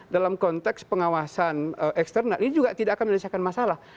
dalam konteks pengawasan eksternal ini juga tidak akan menyelesaikan masalah